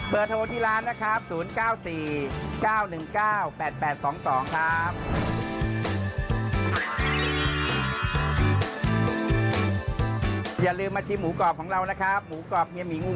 โทรที่ร้านนะครับ๐๙๔๙๑๙๘๘๒๒ครับ